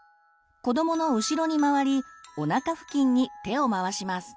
子どもの後ろに回りおなか付近に手を回します。